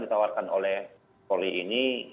ditawarkan oleh polri ini